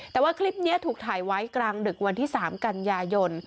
แต่ว่าคลิปนี้ถูกถ่ายไว้กลางดึกวันที่๓กันยายน